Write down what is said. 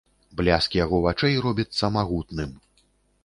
Бляск яго вачэй робіцца магутным.